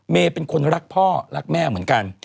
เป็นคนรักพ่อรักแม่เหมือนกัน